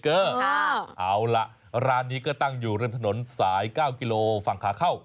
เอาล่ะร้านนี้ก็ตั้งอยู่ริมถนนสาย๙กิโลฝั่งขาเข้า